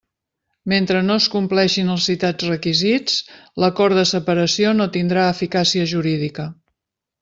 Mentre no es compleixin els citats requisits, l'acord de separació no tindrà eficàcia jurídica.